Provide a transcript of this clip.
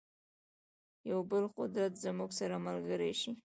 یو بل قدرت زموږ سره ملګری شي.